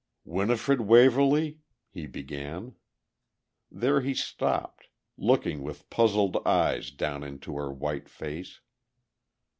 "Winifred Waverly...." he began. There he stopped, looking with puzzled eyes down into her white face.